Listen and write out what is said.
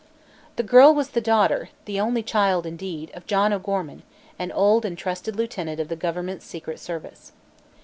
The girl was the daughter the only child, indeed of John O'Gorman, an old and trusted lieutenant of the government's secret service.